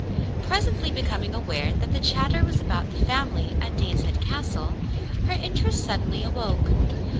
Presently becoming aware that the chatter was about the family at Daneshead Castle, her interest suddenly awoke.